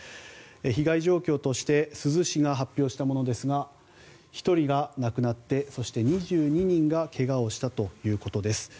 被害状況として珠洲市が発表したものですが１人が亡くなって２２人がけがをしたということです。